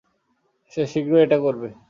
সে শীঘ্রই এটা করবে।